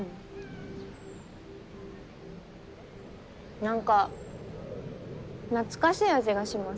何か懐かしい味がします。